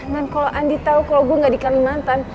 dan kalau andi tau kalau gue gak di kalimantan